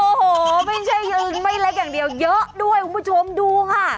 โอ้โหไม่ใช่ยืนไม่เล็กอย่างเดียวเยอะด้วยคุณผู้ชมดูค่ะ